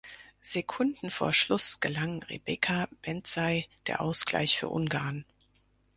Sekunden vor Schluss gelang Rebeka Benzsay der Ausgleich für Ungarn.